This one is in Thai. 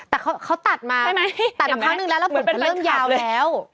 แต่เขาตัดมาค่ะตัดภาพหนึ่งแล้วผมก็เริ่มยาวแล้ว